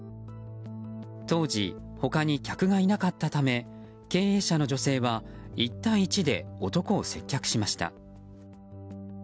当時、他に客がいなかったため経営者の女性は１対１で男を接客しました。